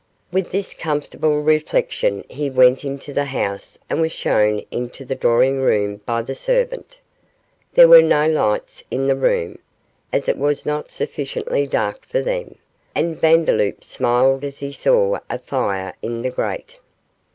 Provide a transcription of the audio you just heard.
With this comfortable reflection he went into the house and was shown into the drawing room by the servant. There were no lights in the room, as it was not sufficiently dark for them, and Vandeloup smiled as he saw a fire in the grate.